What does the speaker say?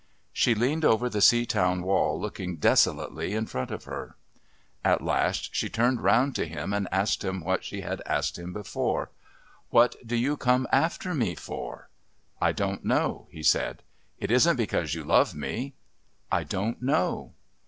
She leaned over the Seatown wall looking desolately in front of her. At last she turned round to him and asked him what she had asked him before: "What do you come after me for?" "I don't know," he said. "It isn't because you love me." "I don't know."